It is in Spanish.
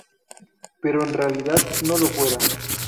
Pero en realidad no lo fuera.